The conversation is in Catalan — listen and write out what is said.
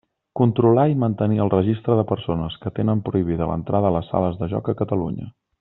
Controlar i mantenir el Registre de persones que tenen prohibida l'entrada a les sales de joc a Catalunya.